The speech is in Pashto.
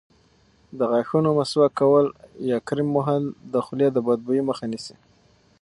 د غاښونو مسواک کول یا کریم وهل د خولې د بدبویۍ مخه نیسي.